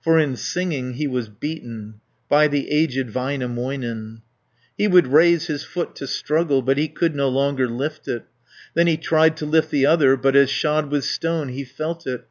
For in singing he was beaten, By the aged Väinämöinen. He would raise his foot to struggle But he could no longer lift it; Then he tried to lift the other, But as shod with stone he felt it.